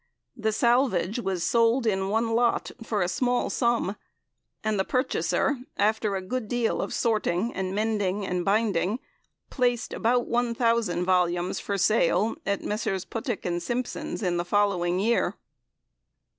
The salvage was sold in one lot for a small sum, and the purchaser, after a good deal of sorting and mending and binding placed about 1,000 volumes for sale at Messrs. Puttick and Simpson's in the following year.